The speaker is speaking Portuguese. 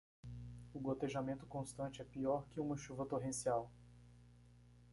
O gotejamento constante é pior que uma chuva torrencial.